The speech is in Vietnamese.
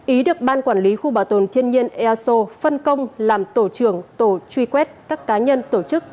ý được ban quản lý khu bảo tồn thiên nhiên eso phân công làm tổ trưởng tổ truy quét các cá nhân tổ chức